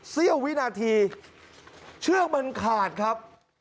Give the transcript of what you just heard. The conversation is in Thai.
เสี้ยววินาทีเชือกมันขาดครับ